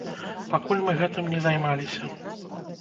Пакуль мы гэтым не займаліся.